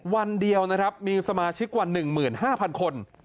วันเดียวนะครับมีสมาชิกกว่า๑๕๐๐คน